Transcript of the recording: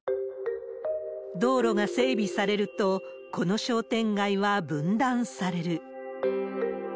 道路が整備されると、この商店街は分断される。